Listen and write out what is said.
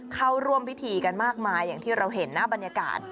เข้าร่วมพิธีกันมากมายอย่างที่เราเห็นหน้าบรรยากาศ